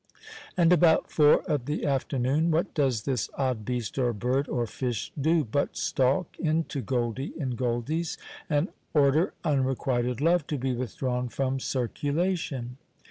And about four of the afternoon what does this odd beast or bird or fish do but stalk into Goldie & Goldie's and order "Unrequited Love" to be withdrawn from circulation.